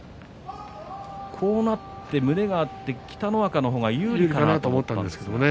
こうなって胸が合って北の若の方が有利かと思ったんですかね。